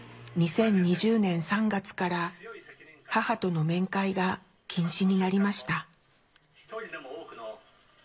２０２０年３月から母との面会が禁止になりました。